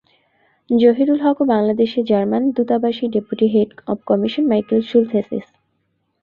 জহিরুল হক ও বাংলাদেশে জার্মান দূতাবাসের deputy head of mission Michael শুলথেসিস।